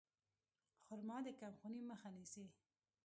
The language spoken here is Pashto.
خرما د کمخونۍ مخه نیسي.